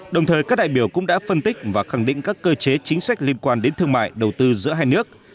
đồng thời các đại biểu cũng đã phân tích và khẳng định các cơ chế chính sách liên quan đến thương mại đầu tư giữa hai nước